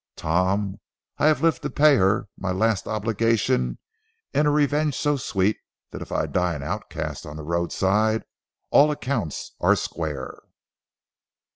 Tom, I have lived to pay her my last obligation in a revenge so sweet that if I die an outcast on the roadside, all accounts are square."